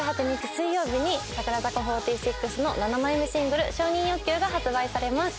水曜日に櫻坂４６の７枚目シングル『承認欲求』が発売されます。